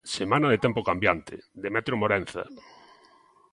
Semana de tempo cambiante, Demetrio Morenza.